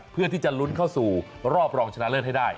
เพื่อที่จะลุ้นเข้าสู่รอบรองชนะเลิศให้ได้